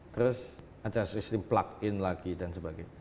terus ada sistem plug in lagi dan sebagainya